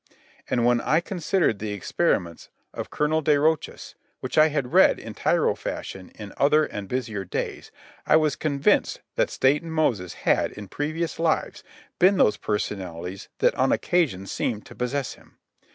And when I considered the experiments of Colonel de Rochas, which I had read in tyro fashion in other and busier days, I was convinced that Stainton Moses had, in previous lives, been those personalities that on occasion seemed to possess him.